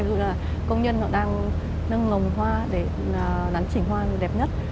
ví dụ là công nhân đang nâng lồng hoa để đắn chỉnh hoa đẹp nhất